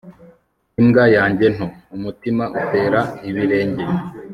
imbwa yanjye nto - umutima utera ibirenge